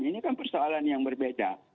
ini kan persoalan yang berbeda